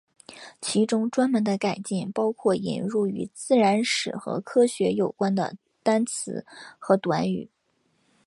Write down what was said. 其中专门的改进包括引入与自然史和科学有关的单词和短语。